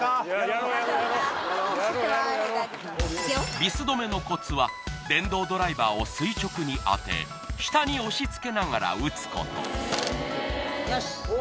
ビス留めのコツは電動ドライバーを垂直に当て、下に押しつけながら打つこと。